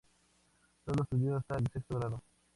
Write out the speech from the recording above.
Solo estudió hasta el sexto grado.